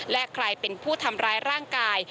และใครเป็นผู้ทำร้ายร่างกาย